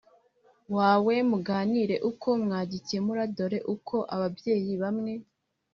wawe muganire uko mwagikemura dore uko ababyeyi bamwe